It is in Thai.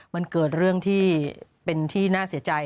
มันเกิดเรื่องที่เป็นที่น่าเสียใจ